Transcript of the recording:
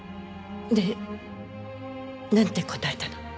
でなんて答えたの？